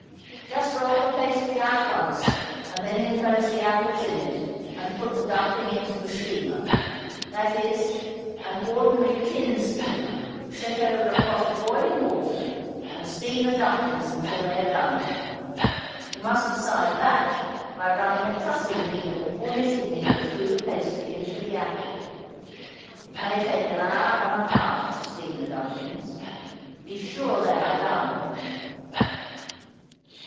Just roll the pastry out once and then inclose the apples in it, and put the dumpling into the steamer; that is, an ordinary tin steamer; set over a pot of boiling water and steam the dumplings until they are done. You must decide that by running a trussing needle or knitting needle through the pastry into the apple. It may take an hour and a half to steam the dumplings; be sure they are done.